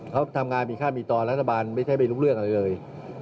เขาทำงานมีค่ามีตอนรัฐบาลไม่ใช่ไม่รู้เรื่องอะไรเลย